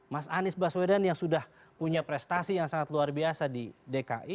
mas anies baswedan yang sudah punya prestasi yang sangat luar biasa di dki